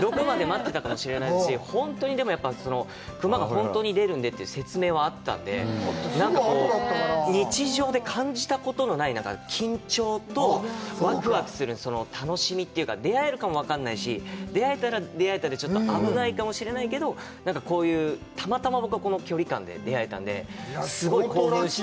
どこかで待ってたかもしれないですし、熊が本当に出るんでという説明はあったんで、日常で感じたことのない緊張と、ワクワクする、その楽しみというか、出会えるかも分からないし、出会えたら出会えたで危ないかもしれないけど、なんかこういう、たまたま、この距離感で出会えたので、すごい興奮して。